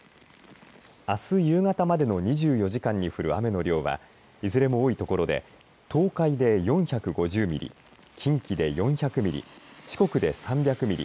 あす夕方までの２４時間に降る雨の量はいずれも多いところで東海で４５０ミリ近畿で４００ミリ四国で３００ミリ